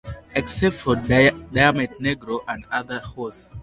Except for Diamante Negro and one other horse.